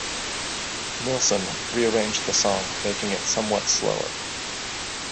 Nilsson re-arranged the song making it somewhat slower.